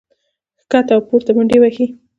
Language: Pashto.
ښکته او پورته منډې وهي